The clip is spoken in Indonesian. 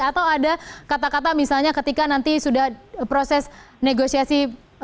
atau ada kata kata misalnya ketika nanti sudah proses negosiasi